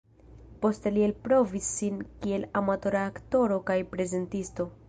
Poste li elprovis sin kiel amatora aktoro kaj prezentisto.